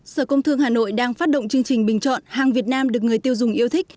sở công thương hà nội đang phát động chương trình bình chọn hàng việt nam được người tiêu dùng yêu thích